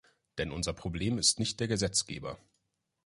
Denn unser Problem ist nicht der Gesetzgeber.